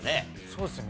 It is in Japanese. そうですね